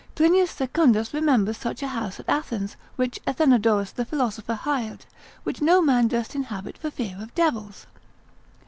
Plinius Secundus remembers such a house at Athens, which Athenodorus the philosopher hired, which no man durst inhabit for fear of devils.